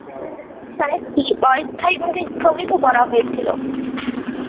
সাইটটি অস্থায়ীভাবে স্থগিত করা হয়েছিল।